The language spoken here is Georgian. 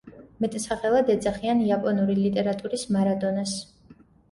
მეტსახელად ეძახიან „იაპონური ლიტერატურის მარადონას“.